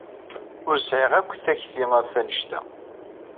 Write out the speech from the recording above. Ur sɛiɣ akk takti ɣef wanect-a.